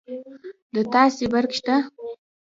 د تاسي برق شته